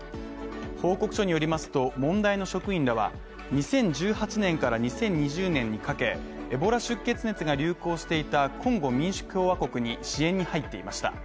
報告書によりますと、問題の職員らは２０１８年から２０２０年にかけ、エボラ出血熱が流行していたコンゴ民主共和国に支援に入っていました。